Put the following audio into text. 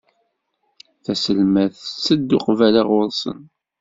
Taselmadt tetteddu qbala ɣur-sen.